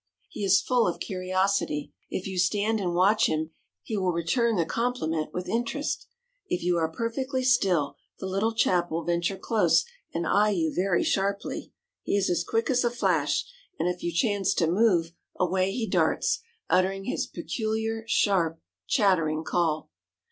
He is full of curiosity. If you stand and watch him, he will return the compliment with interest. If you are perfectly still, the little chap will venture close and eye you very sharply. He is as quick as a flash, and if you chance to move, away he darts, uttering his peculiar, sharp, chattering call.